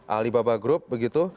alibaba group begitu